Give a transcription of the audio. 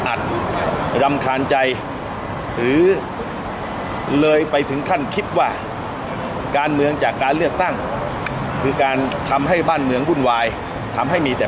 และสำคัญใจจากที่ว่าคางด่วงเมืองก็ทำให้บ้านเมืองวุ่นไวล์มาหีทั้งแหนะ